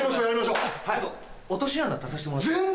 落とし穴足させてもらっても。